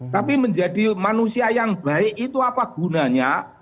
tapi menjadi manusia yang baik itu apa gunanya